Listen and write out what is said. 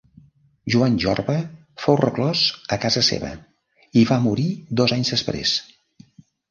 Joan Jorba fou reclòs a casa seva i va morir dos anys després.